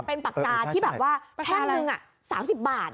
เป็นปากกาที่แท่งหนึ่ง๓๐บาท